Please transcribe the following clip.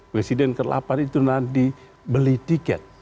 presiden ke delapan itu nanti beli tiket